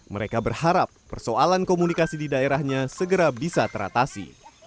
mereka berharap persoalan komunikasi di daerahnya segera bisa teratasi